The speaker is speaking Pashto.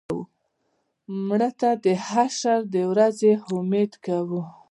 مړه ته د حشر د ورځې امید کوو